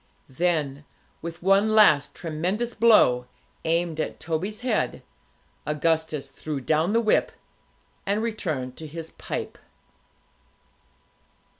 Then, with one last tremendous blow, aimed at Toby's head, Augustus threw down the whip, and returned to his pipe.